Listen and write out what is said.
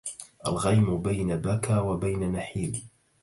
الغيم بين بكا وبين نحيب